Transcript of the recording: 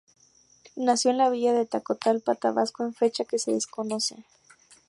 Nació en la villa de Tacotalpa, Tabasco en fecha que se desconoce.